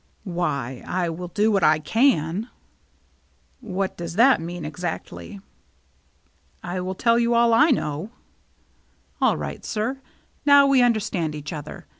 " Why, I will do what I can." " What does that mean exactly ?'*" I will tell you all I know." "All right, sir. Now we understand each other.